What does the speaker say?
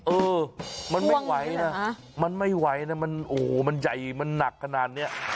เออมันไม่ไหวนะมันไม่ไหวนะมันโอ้โหมันใหญ่มันหนักขนาดนี้